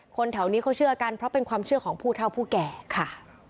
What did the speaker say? แถวนี้เขาเชื่อกันเพราะเป็นความเชื่อของผู้เท่าผู้แก่ค่ะ